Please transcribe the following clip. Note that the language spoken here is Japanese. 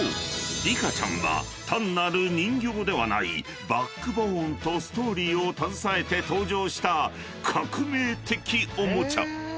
リカちゃんは単なる人形ではないバックボーンとストーリーを携えて登場した革命的おもちゃ！］